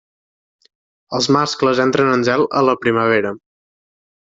Els mascles entren en zel a la primavera.